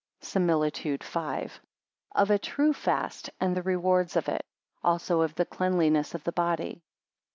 SIMILITUDE V. Of a true fast, and the rewards of it: also of the cleanliness of the body.